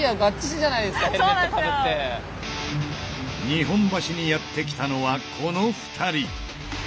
日本橋にやって来たのはこの２人。